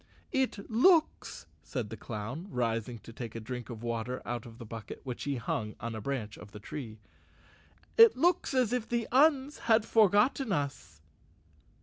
"It looks," said the clown, rising to take a drink of water out of the bucket, which he hung on a branch of the tree, "it looks as if the Uns had forgotten us."